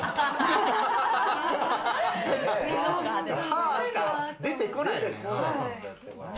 はぁしか出てこない。